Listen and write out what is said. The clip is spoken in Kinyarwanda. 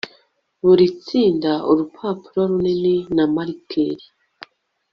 buri tsinda urupapuro runini na marikeri